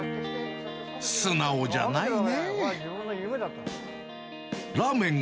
素直じゃないねぇ。